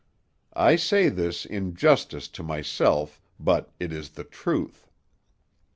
I say this in justice to myself, but it is the truth.